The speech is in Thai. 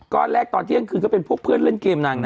แรกตอนเที่ยงคืนก็เป็นพวกเพื่อนเล่นเกมนางนะ